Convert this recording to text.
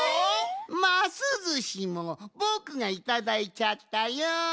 ますずしもぼくがいただいちゃったよん。